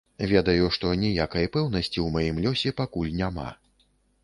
Ведаю, што ніякай пэўнасці ў маім лёсе пакуль няма.